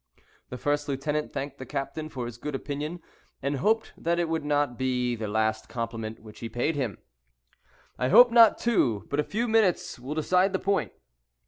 The first lieutenant thanked the captain for his good opinion, and hoped that it would not be the last compliment which he paid him. "I hope not, too; but a few minutes will decide the point."